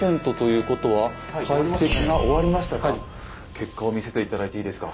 結果を見せて頂いていいですか？